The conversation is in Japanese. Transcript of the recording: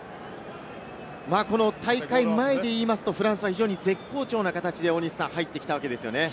大会前で言いますと、フランスは非常に絶好調な形で入ってきたわけですよね。